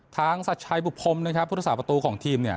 สัชชัยบุพรมนะครับพุทธศาสประตูของทีมเนี่ย